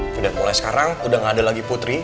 sudah mulai sekarang udah gak ada lagi putri